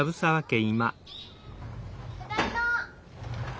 ・・ただいま！